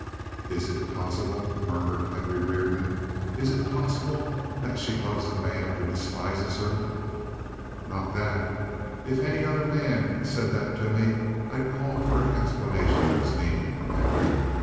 "Is it possible?" murmured Henry Reardon. "Is it possible that she loves a man who despises her?" "Not that! If any other man said this to me, I'd call for an explanation of his meaning, Henry.